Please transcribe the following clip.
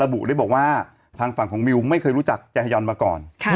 บุด้วยบอกว่าทางฝั่งของมิวไม่เคยรู้จักแยฮยอนมาก่อน